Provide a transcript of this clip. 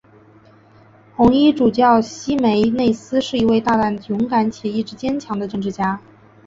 红衣主教希梅内斯是一位大胆勇敢且意志坚强的政治家。